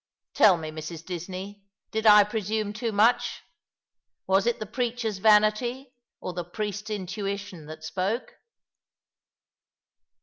Tell me, Mrs. Disney, did I presume too much? Was it the preacher's vanity or tho priest's intuition that spoke